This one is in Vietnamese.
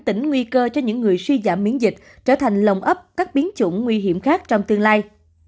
tỉnh nguy cơ cho những người suy giảm miễn dịch trở thành lồng ấp các biến chủng nguy hiểm khác trong tương lai